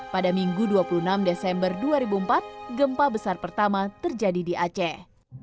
pada minggu dua puluh enam desember dua ribu empat gempa besar pertama terjadi di aceh